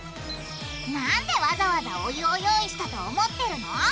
なんでわざわざお湯を用意したと思ってるの！？